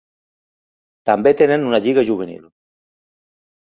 També tenen una lliga juvenil.